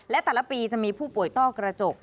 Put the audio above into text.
และแต่ละปีจะมีผู้ป่วยต้อกระจก